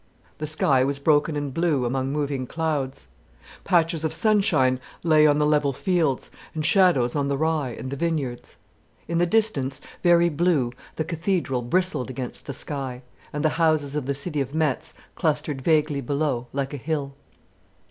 The sky was broken and blue among moving clouds. Patches of sunshine lay on the level fields, and shadows on the rye and the vineyards. In the distance, very blue, the cathedral bristled against the sky, and the houses of the city of Metz clustered vaguely below, like a hill.